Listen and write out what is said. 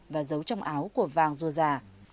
và giấu trong áo của vàng dua già